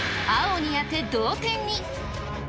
青に当て、同点に。